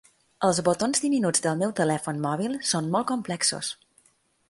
Els botons diminuts del meu telèfon mòbil són molt complexos.